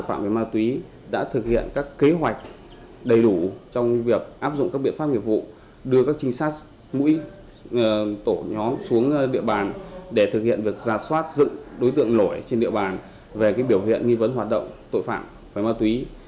tội phạm về ma túy đã thực hiện các kế hoạch đầy đủ trong việc áp dụng các biện pháp nghiệp vụ đưa các trinh sát mũi tổ nhóm xuống địa bàn để thực hiện việc ra soát dựng đối tượng nổi trên địa bàn về biểu hiện nghi vấn hoạt động tội phạm về ma túy